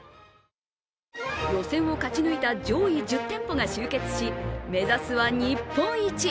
予選を勝ち抜いた上位１０店舗が集結し、目指すは日本一。